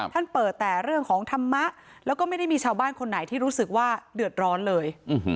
ท่านเปิดแต่เรื่องของธรรมะแล้วก็ไม่ได้มีชาวบ้านคนไหนที่รู้สึกว่าเดือดร้อนเลย